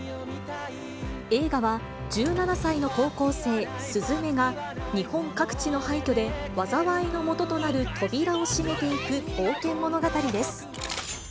映画は、１７歳の高校生、鈴芽が、日本各地の廃虚で、災いのもととなる扉を閉めていく冒険物語です。